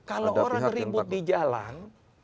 kalau orang ribut di jalan